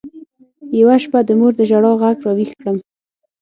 يوه شپه د مور د ژړا ږغ راويښ کړم.